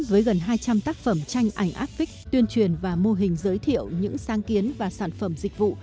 với gần hai trăm linh tác phẩm tranh ảnh áp vích tuyên truyền và mô hình giới thiệu những sáng kiến và sản phẩm dịch vụ